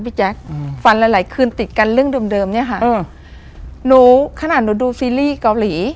แจ๊คอืมฟันหลายหลายคืนติดกันเรื่องเดิมเดิมเนี้ยค่ะเออหนูขนาดหนูดูซีรีส์เกาหลี